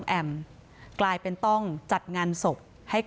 แอมขึ้นเครงนะลูก